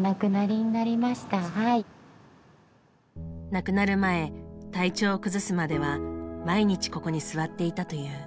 亡くなる前体調を崩すまでは毎日ここに座っていたという。